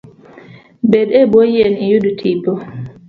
Bed e bwo yien iyud tipo